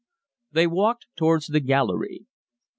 They walked towards the gallery.